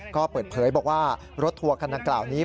ก็เปิดเผยบอกว่ารถทัวร์คันดังกล่าวนี้